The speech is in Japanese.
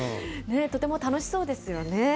とても楽しそうですよね。